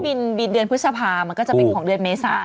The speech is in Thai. บินบินเดือนพฤษภามันก็จะเป็นของเดือนเมษา